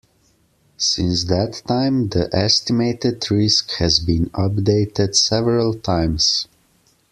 Since that time, the estimated risk has been updated several times.